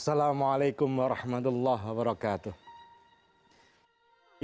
assalamualaikum warahmatullahi wabarakatuh